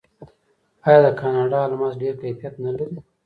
آیا د کاناډا الماس ډیر کیفیت نلري؟